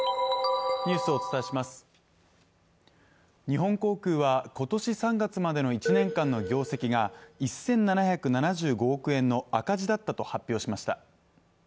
日本航空は今年３月までの１年間の業績が１７７５億円の赤字だったと発表しました。